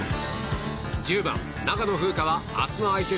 １０番、長野風花は明日の相手